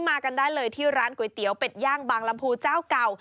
มากันได้เลยที่ร้านก๋วยเตี๋ยวเป็ดย่างบางลำพูเจ้าเก่า